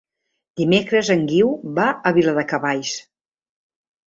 Dimecres en Guiu va a Viladecavalls.